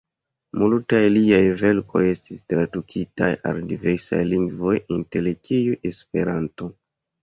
Multaj liaj verkoj estis tradukitaj al diversaj lingvoj, inter kiuj Esperanto.